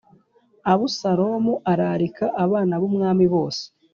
Abusalomu ararika abana b’umwami bose.